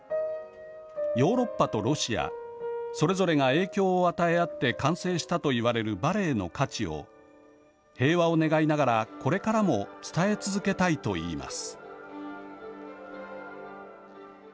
ヨーロッパとロシアそれぞれが影響を与え合って完成したと言われるバレエの価値を平和を願いながらこれからも伝え続けたいと言います。